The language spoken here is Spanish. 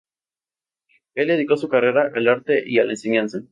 El dedicó su carrera al arte y a la enseñanza.